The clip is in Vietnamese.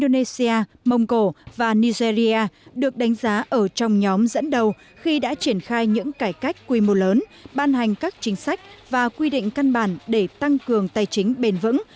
nhóm dẫn đầu khi đã triển khai những cải cách quy mô lớn ban hành các chính sách và quy định căn bản để tăng cường tài chính bền vững